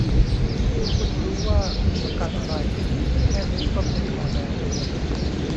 ถ้าคุณรู้ว่าคุณต้องการอะไร แค่นี้ก็เพียงพอแล้ว